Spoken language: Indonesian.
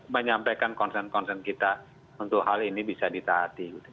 menyampaikan konsen konsen kita untuk hal ini bisa ditahati